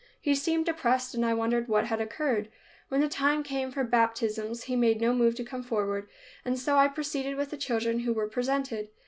He seemed depressed and I wondered what had occurred. When the time came for baptisms he made no move to come forward and so I proceeded with the children who were presented.